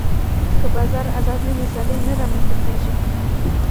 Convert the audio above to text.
که بازار ازاد نه وي، سيالي نه رامنځته کېږي.